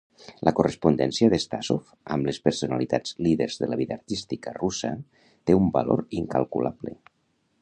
La correspondència de Stasov amb les personalitats líders de la vida artística russa té un valor incalculable.